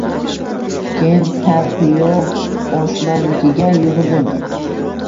Keyin Parpivoy oshnamnikiga yugurdim